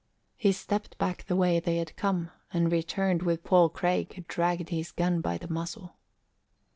He stepped back the way they had come, and returned with Paul Craig who dragged his gun by the muzzle.